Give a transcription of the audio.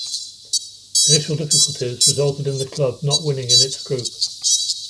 Initial difficulties resulted in the club not winning in its group.